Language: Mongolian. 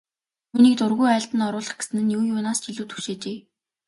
Түүнийг дургүй айлд нь оруулах гэсэн нь юу юунаас ч илүү түгшээжээ.